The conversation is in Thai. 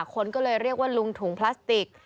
คนก็เลยเรียกว่าลุงถุงพลาสติก